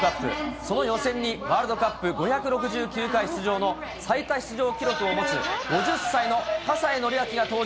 その予選にワールドカップ５６９回出場の最多出場記録を持つ５０歳の葛西紀明が登場。